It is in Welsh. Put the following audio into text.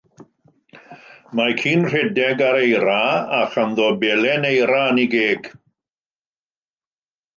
Mae ci'n rhedeg ar eira a chanddo belen eira yn ei geg.